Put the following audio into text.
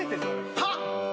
はっ！